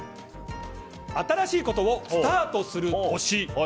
新しいことをスタートする年。